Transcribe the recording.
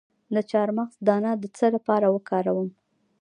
د چارمغز دانه د څه لپاره وکاروم؟